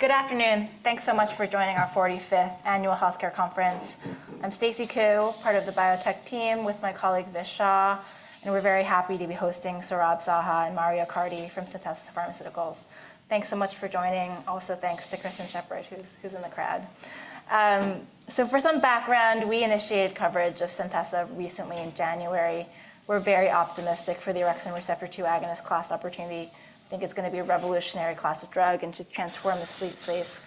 Good afternoon. Thanks so much for joining our 45th Annual Healthcare Conference. I'm Stacy Ku, part of the biotech team, with my colleague Vish Shah, and we're very happy to be hosting Saurabh Saha and Mario Accardi from Centessa Pharmaceuticals. Thanks so much for joining. Also, thanks to Kristen Sheppard, who's in the crowd. So for some background, we initiated coverage of Centessa recently in January. We're very optimistic for the orexin receptor 2 agonist class opportunity. I think it's going to be a revolutionary class of drug and should transform the sleep space.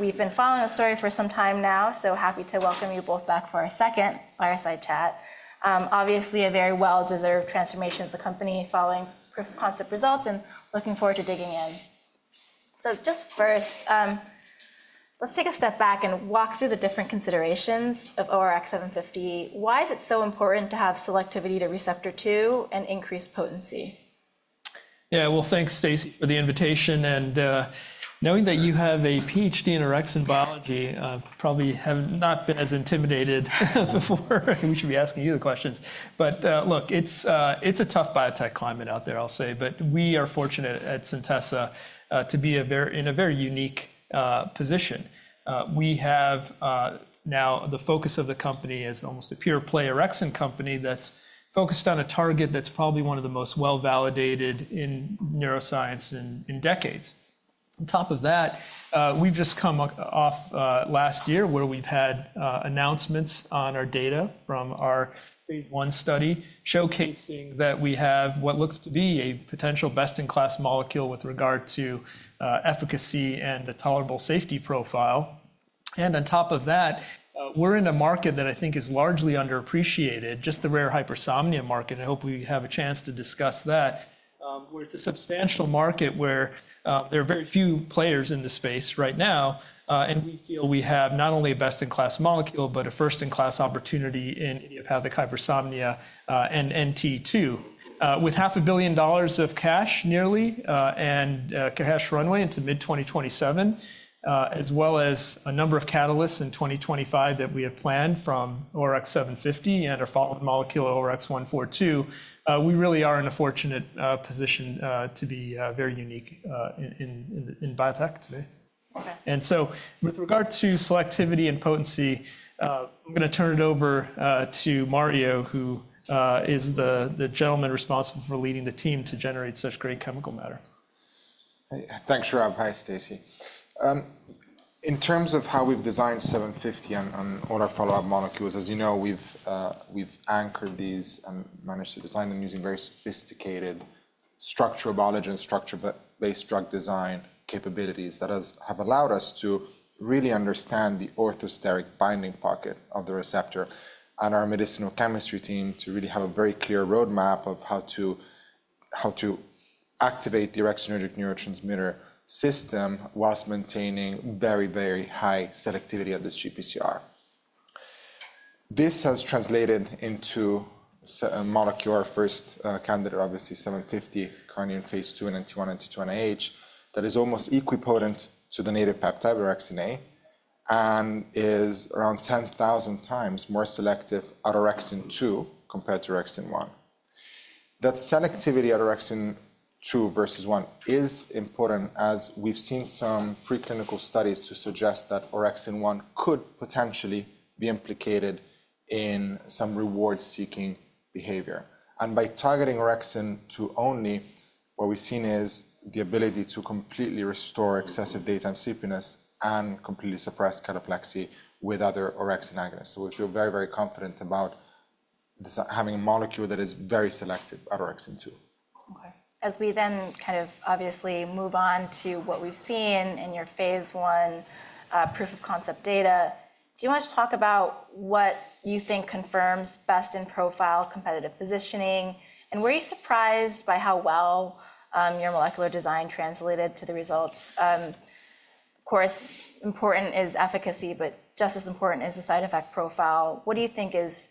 We've been following the story for some time now, so happy to welcome you both back for our second fireside chat. Obviously, a very well-deserved transformation of the company following proof-of-concept results, and looking forward to digging in. So just first, let's take a step back and walk through the different considerations of ORX750. Why is it so important to have selectivity to receptor 2 and increased potency? Yeah, well, thanks, Stacy, for the invitation, and knowing that you have a PhD in orexin biology, I probably have not been as intimidated before. We should be asking you the questions, but look, it's a tough biotech climate out there, I'll say, but we are fortunate at Centessa to be in a very unique position. We have now the focus of the company as almost a pure-play orexin company that's focused on a target that's probably one of the most well-validated in neuroscience in decades. On top of that, we've just come off last year, where we've had announcements on our data from our phase 1 study showcasing that we have what looks to be a potential best-in-class molecule with regard to efficacy and a tolerable safety profile, and on top of that, we're in a market that I think is largely underappreciated, just the rare hypersomnia market. I hope we have a chance to discuss that. We're at a substantial market where there are very few players in the space right now, and we feel we have not only a best-in-class molecule, but a first-in-class opportunity in idiopathic hypersomnia and NT2, with nearly $500 million of cash and a cash runway into mid-2027, as well as a number of catalysts in 2025 that we have planned from ORX750 and our follow-up molecule, ORX142. We really are in a fortunate position to be very unique in biotech today, and so with regard to selectivity and potency, I'm going to turn it over to Mario, who is the gentleman responsible for leading the team to generate such great chemical matter. Thanks, Saurabh. Hi, Stacy. In terms of how we've designed 750 and all our follow-up molecules, as you know, we've anchored these and managed to design them using very sophisticated structural biology and structure-based drug design capabilities that have allowed us to really understand the orthosteric binding pocket of the receptor and our medicinal chemistry team to really have a very clear roadmap of how to activate the orexinergic neurotransmitter system whilst maintaining very, very high selectivity of this GPCR. This has translated into a molecule, our first candidate, obviously, 750, entering phase 2, NT1, NT2, IH, that is almost equivalent to the native peptide orexin A and is around 10,000 times more selective at orexin 2 compared to orexin 1. That selectivity at orexin 2 versus 1 is important, as we've seen some preclinical studies to suggest that orexin 1 could potentially be implicated in some reward-seeking behavior. By targeting orexin 2 only, what we've seen is the ability to completely restore excessive daytime sleepiness and completely suppress cataplexy with other orexin agonists. We feel very, very confident about having a molecule that is very selective at orexin 2. As we then kind of obviously move on to what we've seen in your phase 1 proof-of-concept data, do you want to talk about what you think confirms best-in-profile competitive positioning? And were you surprised by how well your molecular design translated to the results? Of course, important is efficacy, but just as important is the side effect profile. What do you think is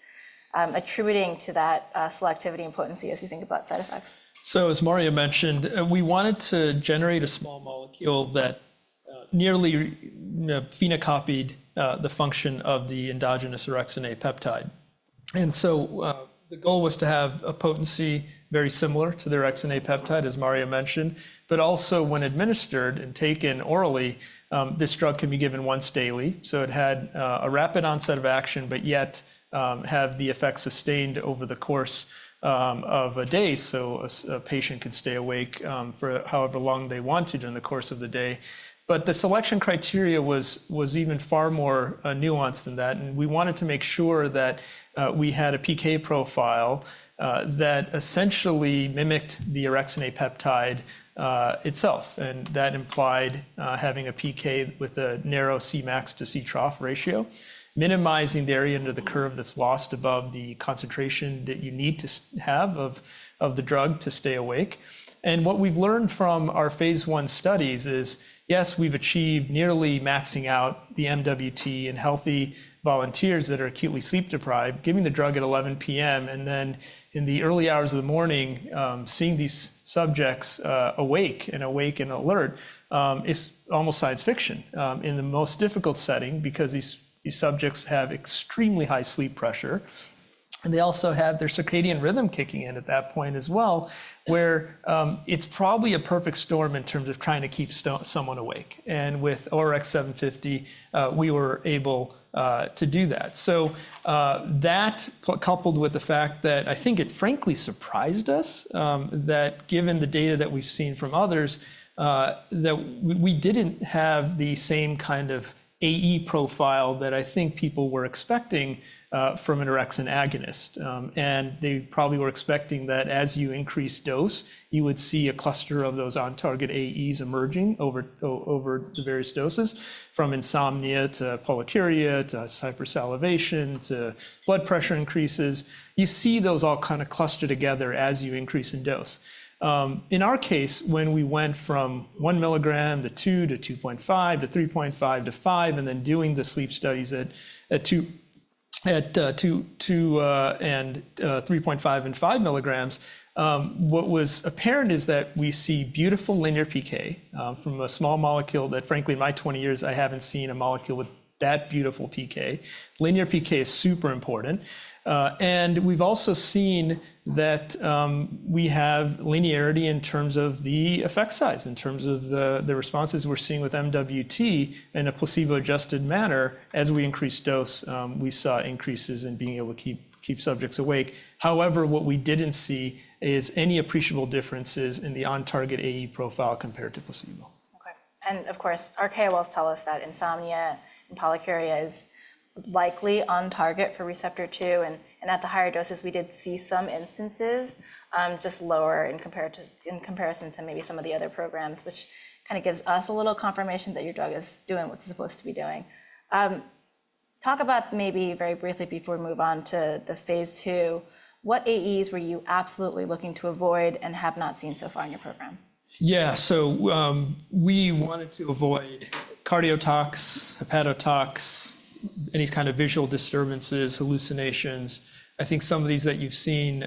attributing to that selectivity and potency as you think about side effects? As Mario mentioned, we wanted to generate a small molecule that nearly phenocopied the function of the endogenous orexin A peptide. The goal was to have a potency very similar to the orexin A peptide, as Mario mentioned, but also when administered and taken orally, this drug can be given once daily. It had a rapid onset of action, but yet have the effect sustained over the course of a day. A patient can stay awake for however long they wanted during the course of the day. The selection criteria was even far more nuanced than that. We wanted to make sure that we had a PK profile that essentially mimicked the orexin A peptide itself. That implied having a PK with a narrow Cmax to Ctrough ratio, minimizing the area under the curve that's lost above the concentration that you need to have of the drug to stay awake. What we've learned from our phase one studies is, yes, we've achieved nearly maxing out the MWT in healthy volunteers that are acutely sleep deprived, giving the drug at 11:00 P.M., and then in the early hours of the morning, seeing these subjects awake and awake and alert is almost science fiction in the most difficult setting, because these subjects have extremely high sleep pressure. They also have their circadian rhythm kicking in at that point as well, where it's probably a perfect storm in terms of trying to keep someone awake. With ORX750, we were able to do that. That, coupled with the fact that I think it frankly surprised us that given the data that we've seen from others, that we didn't have the same kind of AE profile that I think people were expecting from an orexin agonist. They probably were expecting that as you increase dose, you would see a cluster of those on-target AEs emerging over the various doses, from insomnia to pollakiuria to hypersalivation to blood pressure increases. You see those all kind of clustered together as you increase in dose. In our case, when we went from 1 mg to 2 mg to 2.5 mg to 3.5 mg to 5 mg, and then doing the sleep studies at 2 mg and 3.5 mg and 5 mg, what was apparent is that we see beautiful linear PK from a small molecule that frankly, in my 20 years, I haven't seen a molecule with that beautiful PK. Linear PK is super important. And we've also seen that we have linearity in terms of the effect size, in terms of the responses we're seeing with MWT in a placebo-adjusted manner. As we increased dose, we saw increases in being able to keep subjects awake. However, what we didn't see is any appreciable differences in the on-target AE profile compared to placebo. And of course, our KOLs tell us that insomnia and pollakiuria is likely on target for receptor 2. And at the higher doses, we did see some instances just lower in comparison to maybe some of the other programs, which kind of gives us a little confirmation that your drug is doing what it's supposed to be doing. Talk about maybe very briefly before we move on to the phase two, what AEs were you absolutely looking to avoid and have not seen so far in your program? Yeah, so we wanted to avoid cardiotox, hepatotox, any kind of visual disturbances, hallucinations. I think some of these that you've seen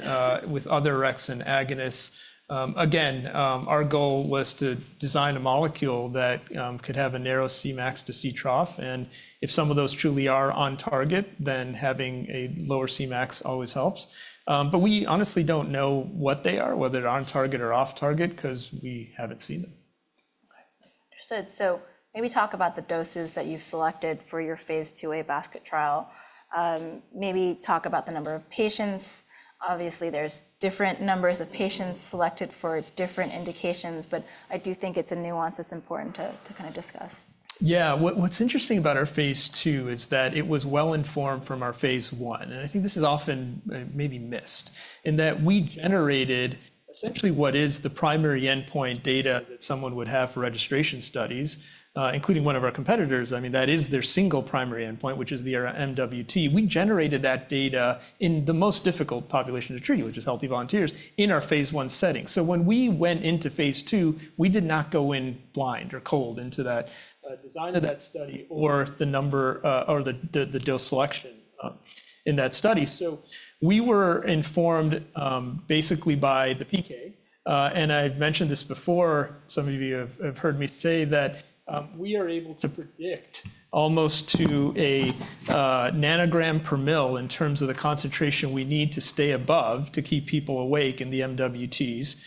with other orexin agonists, again, our goal was to design a molecule that could have a narrow Cmax to Ctrough. And if some of those truly are on target, then having a lower Cmax always helps. But we honestly don't know what they are, whether they're on target or off target, because we haven't seen them. So maybe talk about the doses that you've selected for your phase 2A basket trial. Maybe talk about the number of patients. Obviously, there's different numbers of patients selected for different indications, but I do think it's a nuance that's important to kind of discuss. Yeah, what's interesting about our phase two is that it was well-informed from our phase one, and I think this is often maybe missed, in that we generated essentially what is the primary endpoint data that someone would have for registration studies, including one of our competitors. I mean, that is their single primary endpoint, which is the MWT. We generated that data in the most difficult population to treat, which is healthy volunteers, in our phase one setting, so when we went into phase two, we did not go in blind or cold into that design of that study or the number or the dose selection in that study, so we were informed basically by the PK, and I've mentioned this before. Some of you have heard me say that we are able to predict almost to a nanogram per mL in terms of the concentration we need to stay above to keep people awake in the MWTs,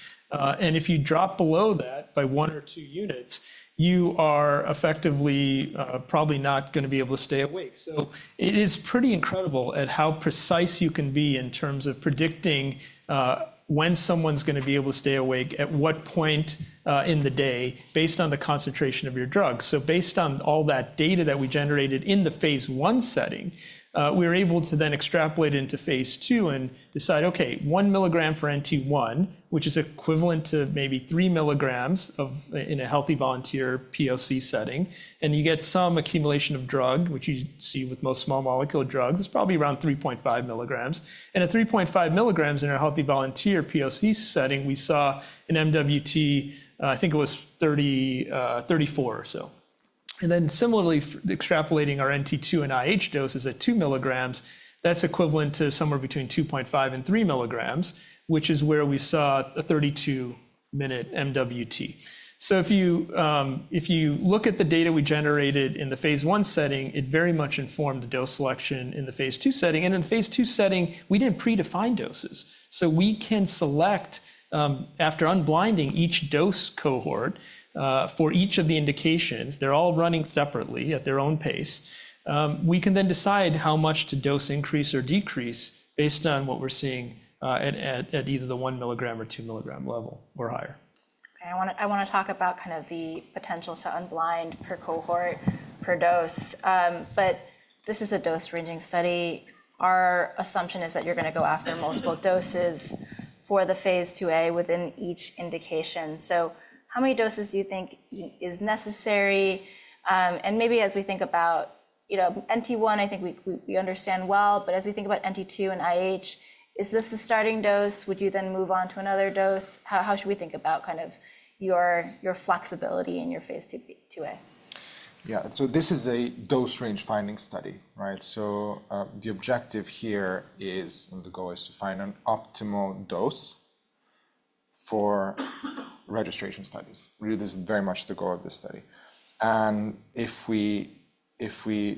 and if you drop below that by one or two units, you are effectively probably not going to be able to stay awake, so it is pretty incredible at how precise you can be in terms of predicting when someone's going to be able to stay awake, at what point in the day, based on the concentration of your drug, so based on all that data that we generated in the phase one setting, we were able to then extrapolate into phase two and decide, OK, 1 mg for NT1, which is equivalent to maybe 3 mg in a healthy volunteer POC setting. You get some accumulation of drug, which you see with most small molecule drugs. It's probably around 3.5 mg. At 3.5 mg in our healthy volunteer POC setting, we saw an MWT. I think it was 34 or so. Then similarly, extrapolating our NT2 and IH doses at 2 milligrams, that's equivalent to somewhere between 2.5 and 3 milligrams, which is where we saw a 32-minute MWT. If you look at the data we generated in the phase one setting, it very much informed the dose selection in the phase two setting. In the phase two setting, we didn't predefine doses. We can select, after unblinding each dose cohort for each of the indications, they're all running separately at their own pace. We can then decide how much to dose increase or decrease based on what we're seeing at either the 1 mg or 2 mg level or higher. I want to talk about kind of the potential to unblind per cohort per dose, but this is a dose-ranging study. Our assumption is that you're going to go after multiple doses for the phase 2A within each indication, so how many doses do you think is necessary? And maybe as we think about NT1, I think we understand well, but as we think about NT2 and IH, is this a starting dose? Would you then move on to another dose? How should we think about kind of your flexibility in your phase 2A? Yeah, so this is a dose range finding study. So the objective here is, and the goal is to find an optimal dose for registration studies. Really, this is very much the goal of this study. And if we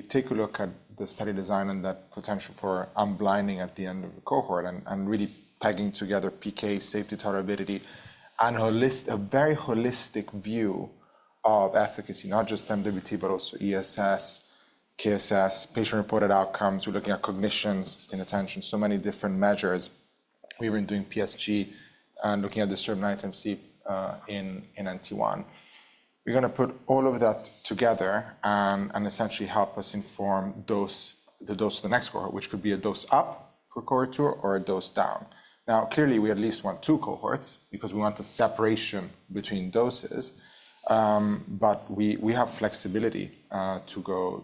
take a look at the study design and that potential for unblinding at the end of the cohort and really pegging together PK, safety, tolerability, and a very holistic view of efficacy, not just MWT, but also ESS, KSS, patient-reported outcomes. We're looking at cognition, sustained attention, so many different measures. We were doing PSG and looking at the serum orexin in NT1. We're going to put all of that together and essentially help us inform the dose of the next cohort, which could be a dose up for cohort 2 or a dose down. Now, clearly, we at least want two cohorts because we want the separation between doses. But we have flexibility to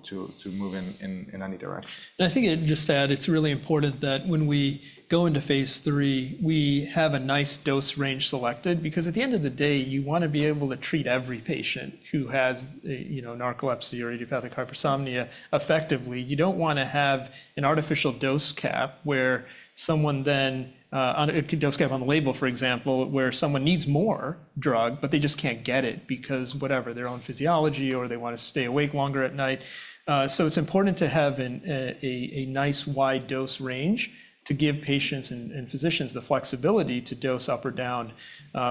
move in any direction. I think I'd just add, it's really important that when we go into phase three, we have a nice dose range selected, because at the end of the day, you want to be able to treat every patient who has narcolepsy or idiopathic hypersomnia effectively. You don't want to have an artificial dose cap where someone then a dose cap on the label, for example, where someone needs more drug, but they just can't get it because whatever, their own physiology or they want to stay awake longer at night. It's important to have a nice wide dose range to give patients and physicians the flexibility to dose up or down,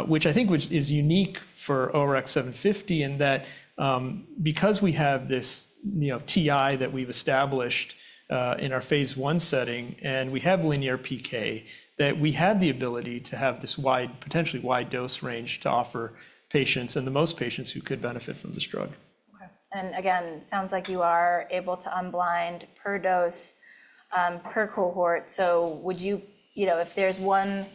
which I think is unique for ORX750 in that because we have this TI that we've established in our phase 1 setting and we have linear PK, that we have the ability to have this potentially wide dose range to offer patients and the most patients who could benefit from this drug. Again, it sounds like you are able to unblind per dose per cohort. So if there's one,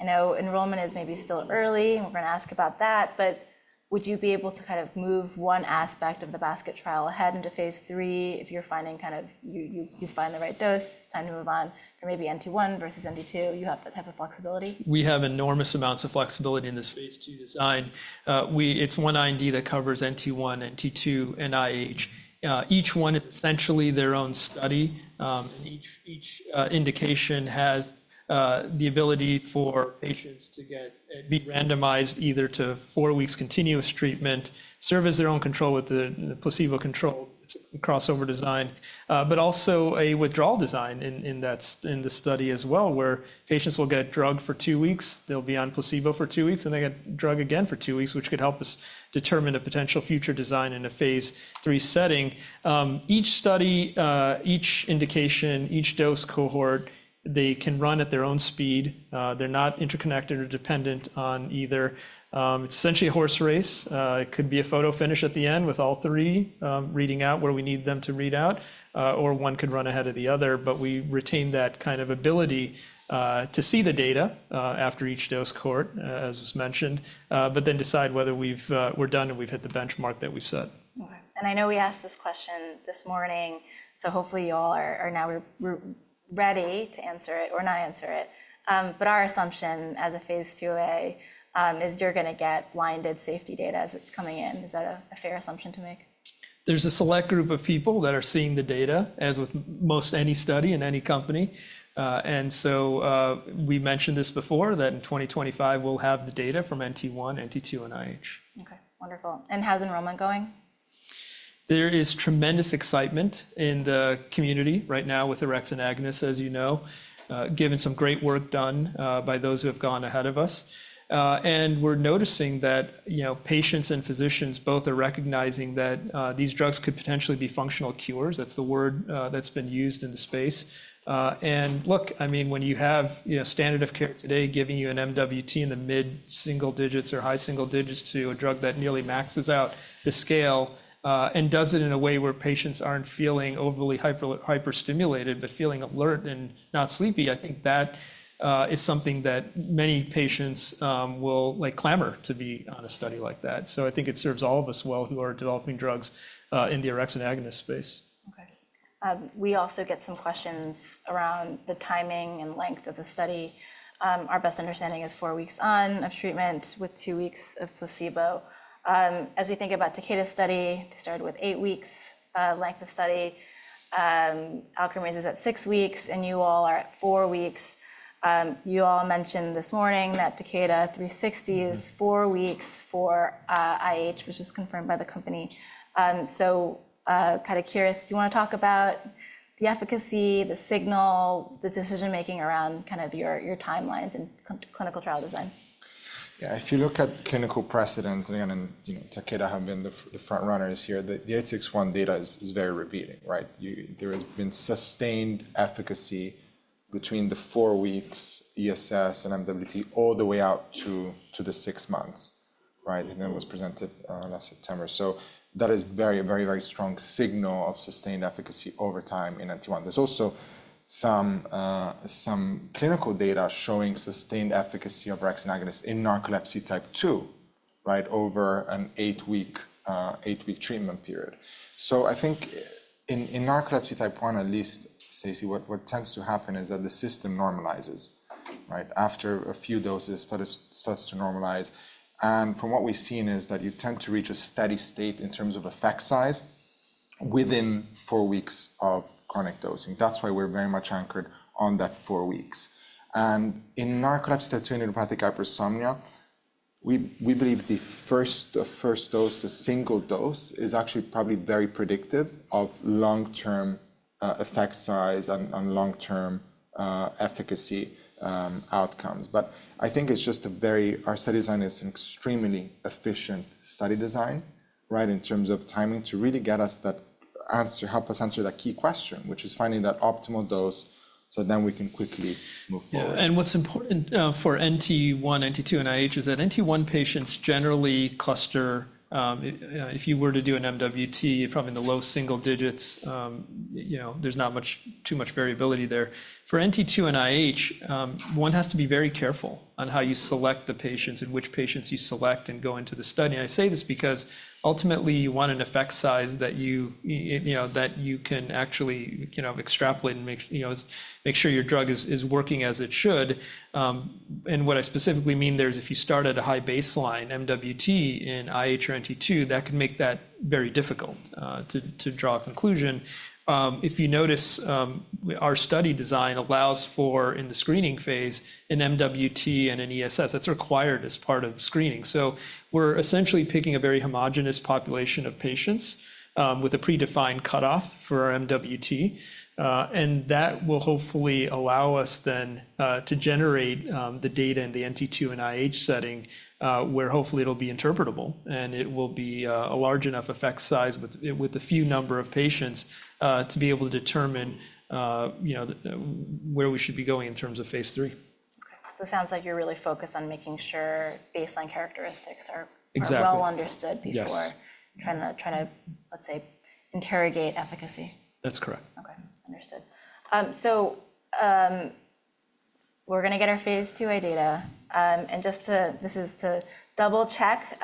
I know enrollment is maybe still early. We're going to ask about that. But would you be able to kind of move one aspect of the basket trial ahead into phase three if you find the right dose, it's time to move on, or maybe NT1 versus NT2? You have that type of flexibility? We have enormous amounts of flexibility in this phase 2 design. It's one IND that covers NT1, NT2, and IH. Each one is essentially their own study, and each indication has the ability for patients to be randomized either to four weeks continuous treatment, serve as their own control with the placebo-controlled crossover design, but also a withdrawal design in the study as well, where patients will get drug for two weeks, they'll be on placebo for two weeks, and they get drug again for two weeks, which could help us determine a potential future design in a phase 3 setting. Each study, each indication, each dose cohort, they can run at their own speed. They're not interconnected or dependent on either. It's essentially a horse race. It could be a photo finish at the end with all three reading out where we need them to read out, or one could run ahead of the other. But we retain that kind of ability to see the data after each dose cohort, as was mentioned, but then decide whether we're done and we've hit the benchmark that we've set. And I know we asked this question this morning, so hopefully you all are now ready to answer it or not answer it. But our assumption as a phase 2A is you're going to get blinded safety data as it's coming in. Is that a fair assumption to make? There's a select group of people that are seeing the data, as with most any study in any company, and so we mentioned this before, that in 2025, we'll have the data from NT1, NT2, and IH. Wonderful. And how's enrollment going? There is tremendous excitement in the community right now with orexin agonist, as you know, given some great work done by those who have gone ahead of us, and we're noticing that patients and physicians both are recognizing that these drugs could potentially be functional cures. That's the word that's been used in the space, and look, I mean, when you have standard of care today giving you an MWT in the mid-single digits or high-single digits to a drug that nearly maxes out the scale and does it in a way where patients aren't feeling overly hyperstimulated, but feeling alert and not sleepy, I think that is something that many patients will clamor to be on a study like that, so I think it serves all of us well who are developing drugs in the orexin agonist space. We also get some questions around the timing and length of the study. Our best understanding is four weeks of treatment with two weeks of placebo. As we think about Takeda's study, they started with eight weeks length of study. Alkermes is at six weeks, and you all are at four weeks. You all mentioned this morning that TAK-861 is four weeks for IH, which was confirmed by the company. So kind of curious, do you want to talk about the efficacy, the signal, the decision-making around kind of your timelines and clinical trial design? Yeah, if you look at clinical precedent, and again, Takeda have been the front runners here, the TAK-861 data is very repeating. There has been sustained efficacy between the four weeks ESS and MWT all the way out to the six months, and then it was presented last September. So that is a very, very, very strong signal of sustained efficacy over time in NT1. There's also some clinical data showing sustained efficacy of orexin agonist in narcolepsy Type 2 over an eight-week treatment period. So I think in narcolepsy Type 1, at least, Stacy, what tends to happen is that the system normalizes after a few doses, starts to normalize. And from what we've seen is that you tend to reach a steady state in terms of effect size within four weeks of chronic dosing. That's why we're very much anchored on that four weeks. In narcolepsy Type 2 and idiopathic hypersomnia, we believe the first dose, a single dose, is actually probably very predictive of long-term effect size and long-term efficacy outcomes. I think it's just our study design is an extremely efficient study design in terms of timing to really get us that answer, help us answer that key question, which is finding that optimal dose so then we can quickly move forward. What's important for NT1, NT2, and IH is that NT1 patients generally cluster, if you were to do an MWT, probably in the low single digits, there's not too much variability there. For NT2 and IH, one has to be very careful on how you select the patients and which patients you select and go into the study. I say this because ultimately, you want an effect size that you can actually extrapolate and make sure your drug is working as it should. What I specifically mean there is if you start at a high baseline MWT in IH or NT2, that can make that very difficult to draw a conclusion. If you notice, our study design allows for, in the screening phase, an MWT and an ESS that's required as part of screening. So we're essentially picking a very homogeneous population of patients with a predefined cutoff for our MWT. And that will hopefully allow us then to generate the data in the NT2 and IH setting where hopefully it'll be interpretable. And it will be a large enough effect size with a few number of patients to be able to determine where we should be going in terms of phase 3. It sounds like you're really focused on making sure baseline characteristics are well understood before trying to, let's say, interrogate efficacy. That's correct. Understood. So we're going to get our phase 2A data. And just to double-check,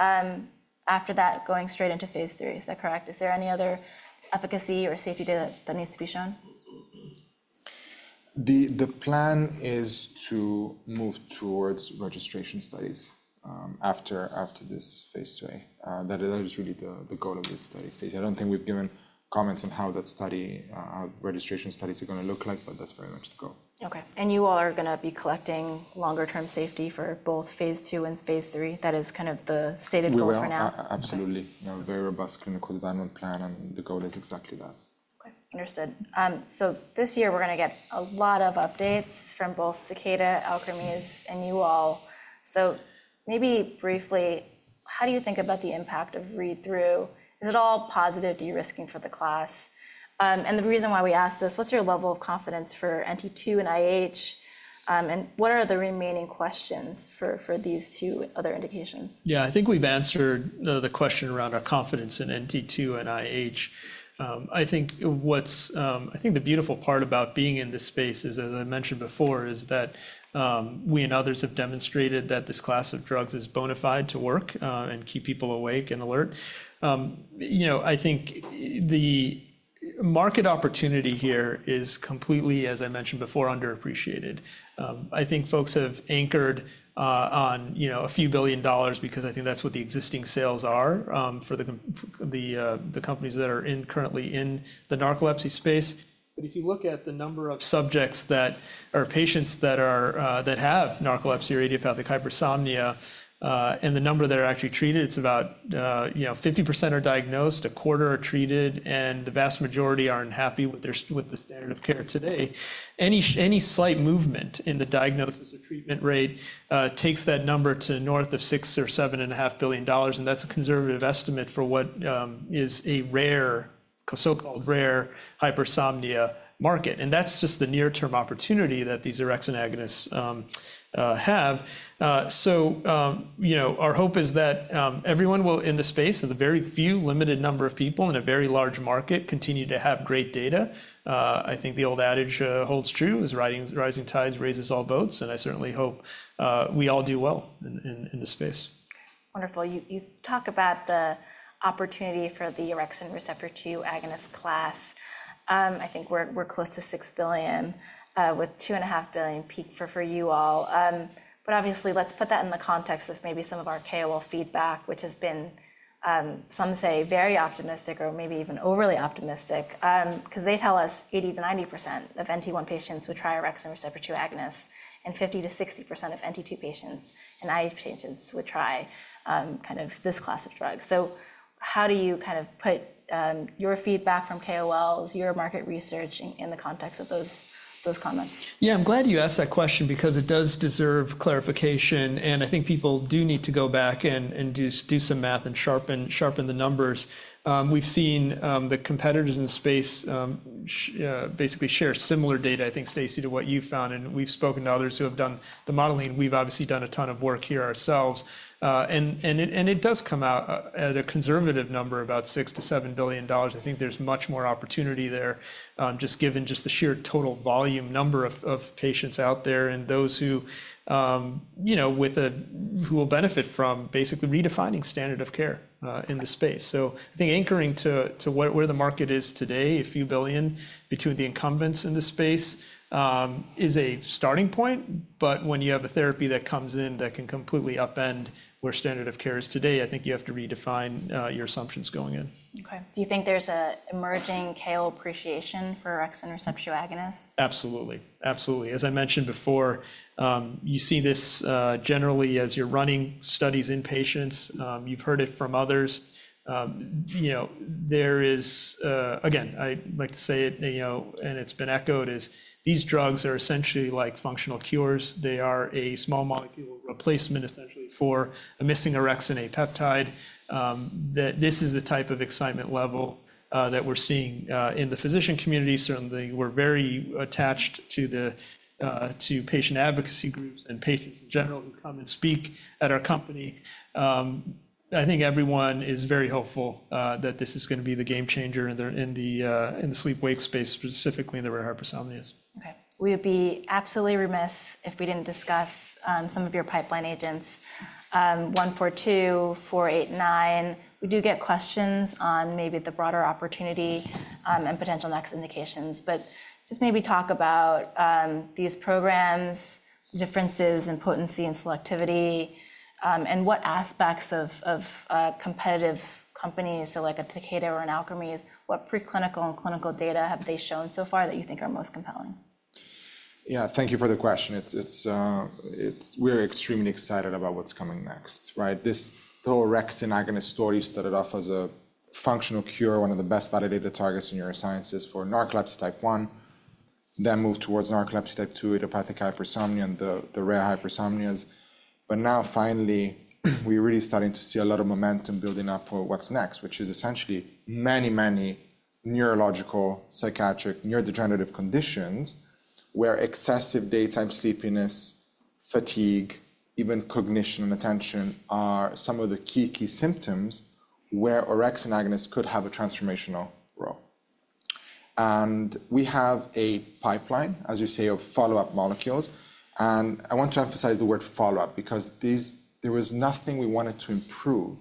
after that, going straight into phase three, is that correct? Is there any other efficacy or safety data that needs to be shown? The plan is to move towards registration studies after this phase 2A. That is really the goal of this study, Stacy. I don't think we've given comments on how that study, registration studies, are going to look like, but that's very much the goal. You all are going to be collecting longer-term safety for both phase 2 and phase 3. That is kind of the stated goal for now. Absolutely. A very robust clinical development plan, and the goal is exactly that. Understood. So this year, we're going to get a lot of updates from both Takeda, Alkermes, and you all. So maybe briefly, how do you think about the impact of read-through? Is it all positive de-risking for the class? And the reason why we ask this, what's your level of confidence for NT2 and IH? And what are the remaining questions for these two other indications? Yeah, I think we've answered the question around our confidence in NT2 and IH. I think the beautiful part about being in this space is, as I mentioned before, is that we and others have demonstrated that this class of drugs is bona fide to work and keep people awake and alert. I think the market opportunity here is completely, as I mentioned before, underappreciated. I think folks have anchored on a few billion dollars because I think that's what the existing sales are for the companies that are currently in the narcolepsy space. But if you look at the number of subjects that are patients that have narcolepsy or idiopathic hypersomnia and the number that are actually treated, it's about 50% are diagnosed, a quarter are treated, and the vast majority aren't happy with the standard of care today. Any slight movement in the diagnosis or treatment rate takes that number to north of $6 or $7.5 billion. And that's a conservative estimate for what is a so-called rare hypersomnia market. And that's just the near-term opportunity that these orexin agonists have. So our hope is that everyone in the space, the very few limited number of people in a very large market, continue to have great data. I think the old adage holds true, as rising tides raises all boats. And I certainly hope we all do well in the space. Wonderful. You talk about the opportunity for the orexin receptor 2 agonist class. I think we're close to $6 billion with $2.5 billion peak for you all. But obviously, let's put that in the context of maybe some of our KOL feedback, which has been, some say, very optimistic or maybe even overly optimistic, because they tell us 80%-90% of NT1 patients would try orexin receptor 2 agonists and 50%-60% of NT2 patients and IH patients would try kind of this class of drugs. So how do you kind of put your feedback from KOLs, your market research in the context of those comments? Yeah, I'm glad you asked that question because it does deserve clarification. And I think people do need to go back and do some math and sharpen the numbers. We've seen the competitors in the space basically share similar data, I think, Stacy, to what you found. And we've spoken to others who have done the modeling. We've obviously done a ton of work here ourselves. And it does come out at a conservative number, about $6-$7 billion. I think there's much more opportunity there just given just the sheer total volume number of patients out there and those who will benefit from basically redefining standard of care in the space. So I think anchoring to where the market is today, a few billion between the incumbents in the space, is a starting point. When you have a therapy that comes in that can completely upend where standard of care is today, I think you have to redefine your assumptions going in. Do you think there's an emerging KOL appreciation for orexin receptor 2 agonists? Absolutely. Absolutely. As I mentioned before, you see this generally as you're running studies in patients. You've heard it from others. Again, I like to say it, and it's been echoed, is these drugs are essentially like functional cures. They are a small molecule replacement essentially for a missing orexin A peptide. This is the type of excitement level that we're seeing in the physician community. Certainly, we're very attached to patient advocacy groups and patients in general who come and speak at our company. I think everyone is very hopeful that this is going to be the game changer in the sleep-wake space, specifically in the rare hypersomnias. We would be absolutely remiss if we didn't discuss some of your pipeline agents, 142, 489. We do get questions on maybe the broader opportunity and potential next indications. But just maybe talk about these programs, differences in potency and selectivity, and what aspects of competitive companies, so like a Takeda or an Alkermes, what preclinical and clinical data have they shown so far that you think are most compelling? Yeah, thank you for the question. We're extremely excited about what's coming next. This whole orexin agonist story started off as a functional cure, one of the best validated targets in neurosciences for narcolepsy type 1, then moved towards narcolepsy type 2, idiopathic hypersomnia, and the rare hypersomnias. But now finally, we're really starting to see a lot of momentum building up for what's next, which is essentially many, many neurological, psychiatric, neurodegenerative conditions where excessive daytime sleepiness, fatigue, even cognition and attention are some of the key, key symptoms where orexin agonists could have a transformational role. And we have a pipeline, as you say, of follow-up molecules. And I want to emphasize the word follow-up because there was nothing we wanted to improve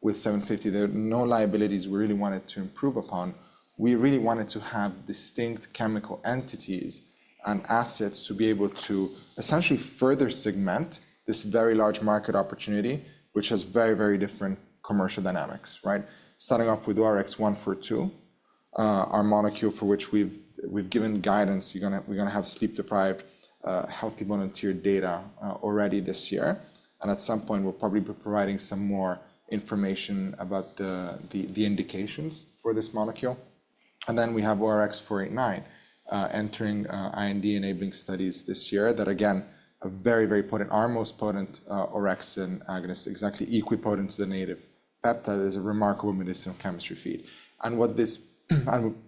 with 750. There are no liabilities we really wanted to improve upon. We really wanted to have distinct chemical entities and assets to be able to essentially further segment this very large market opportunity, which has very, very different commercial dynamics. Starting off with ORX142, our molecule for which we've given guidance, we're going to have sleep-deprived, healthy volunteer data already this year, and at some point, we'll probably be providing some more information about the indications for this molecule, and then we have ORX489 entering IND-enabling studies this year that, again, are very, very potent, our most potent orexin agonist, exactly equal potent to the native peptide. It is a remarkable medicinal chemistry feat, and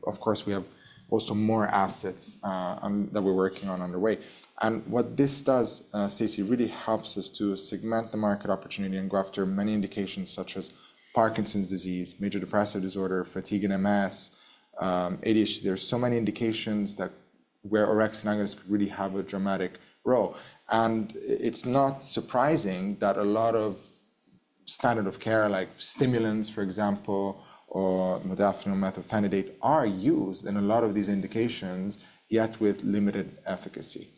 of course, we have also more assets that we're working on underway, and what this does, Stacy, really helps us to segment the market opportunity and go after many indications such as Parkinson's disease, major depressive disorder, fatigue and MS, ADHD. There are so many indications where orexin agonists could really have a dramatic role. It's not surprising that a lot of standard of care, like stimulants, for example, or modafinil, methylphenidate, are used in a lot of these indications, yet with limited efficacy.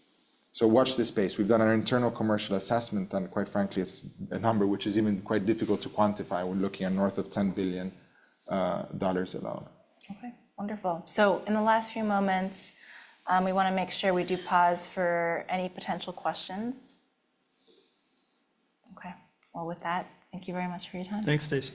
Watch this space. We've done our internal commercial assessment, and quite frankly, it's a number which is even quite difficult to quantify. We're looking at north of $10 billion alone. Wonderful. So in the last few moments, we want to make sure we do pause for any potential questions. Well, with that, thank you very much for your time. Thanks, Stacy.